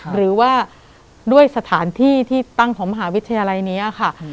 หรือว่าด้วยสถานที่ที่ตั้งของมหาวิทยาลัยนี้ค่ะ